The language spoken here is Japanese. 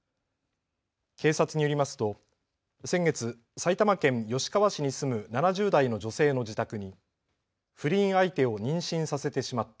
警察によりますと先月、埼玉県吉川市に住む７０代の女性の自宅に不倫相手を妊娠させてしまった。